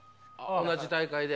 同じ大会で？